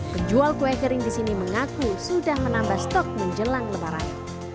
penjual kue kering di sini mengaku sudah menambah stok menjelang lebaran